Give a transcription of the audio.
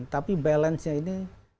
tapi balance nya ini